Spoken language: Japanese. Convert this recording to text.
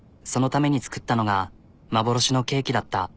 そのために作ったのが幻のケーキだった。